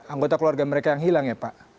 anggota keluarga mereka yang hilang ya pak